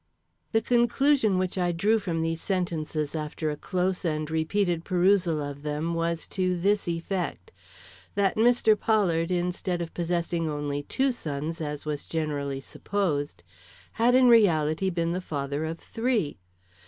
The conclusion which I drew from these sentences after a close and repeated perusal of them was to this effect: That Mr. Pollard instead of possessing only two sons, as was generally supposed, had in reality been the father of three.